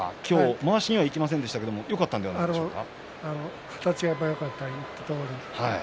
まわしにはいきませんでしたがよかったんじゃないですか。